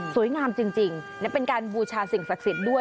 งามจริงและเป็นการบูชาสิ่งศักดิ์สิทธิ์ด้วย